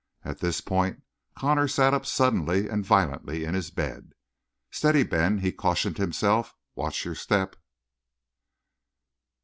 At this point Connor sat up suddenly and violently in his bed. "Steady, Ben!" he cautioned himself. "Watch your step!"